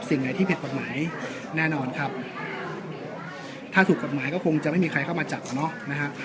สิ่งไหนที่ผิดกฎหมายแน่นอนครับถ้าถูกกฎหมายก็คงจะไม่มีใครเข้ามาจับอ่ะเนาะนะฮะ